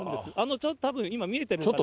ちょっとたぶん今、見えてるかな。